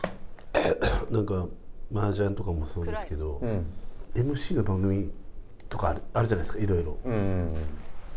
なんかマージャンとかもそうですけどＭＣの番組とかあるじゃないですかいろいろ。